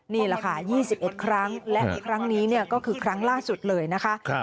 นี่แหละค่ะ๒๑ครั้งและครั้งนี้ก็คือครั้งล่าสุดเลยนะคะ